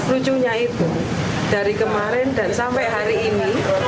lucunya itu dari kemarin dan sampai hari ini